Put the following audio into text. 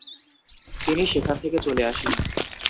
তিনি সেখান থেকে চলে আসেন।